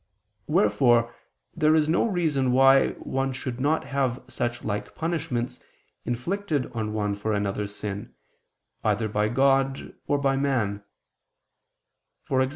Wherefore there is no reason why one should not have such like punishments inflicted on one for another's sin, either by God or by man; e.g.